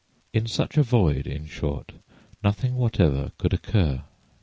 In such a void, in short, nothing whatever could occur.